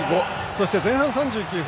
そして前半３９分。